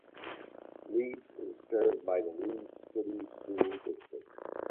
Leeds is served by the Leeds City School District.